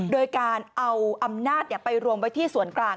โดยการเอาอำนาจไปรวมไว้ที่ส่วนกลาง